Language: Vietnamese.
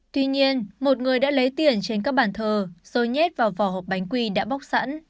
tuy nhiên một người đã lấy tiền trên các bàn thờ rồi nhét vào vỏ hộp bánh quỳ đã bóc sẵn